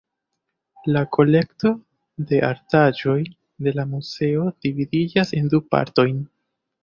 La kolekto de artaĵoj de la muzeo dividiĝas en du partojn.